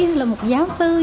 hoặc là một giáo sư